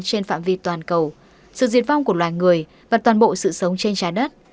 trên phạm vi toàn cầu sự diệt vong của loài người và toàn bộ sự sống trên trái đất